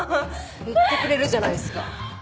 言ってくれるじゃないすか。